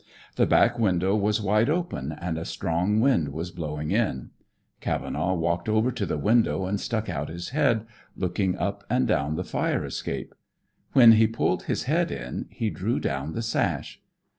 The back window was wide open and a strong wind was blowing in. Cavenaugh walked over to the window and stuck out his head, looking up and down the fire escape. When he pulled his head in, he drew down the sash.